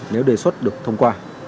nếu đề xuất được thông qua